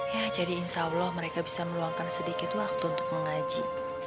ya jadi insya allah mereka bisa meluangkan sedikit waktu untuk mengaji